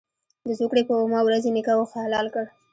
د زوکړ ې په اوومه ورځ یې نیکه اوښ حلال کړ.